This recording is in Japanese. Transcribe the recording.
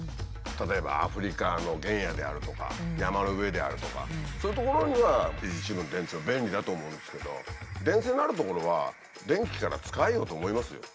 例えばアフリカの原野であるとか山の上であるとかそういう所にはリチウムイオン電池は便利だと思うんですけど電線のある所は電気から使えよと思いますよ。